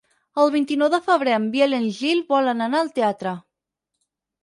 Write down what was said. El vint-i-nou de febrer en Biel i en Gil volen anar al teatre.